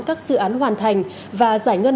các dự án hoàn thành và giải ngân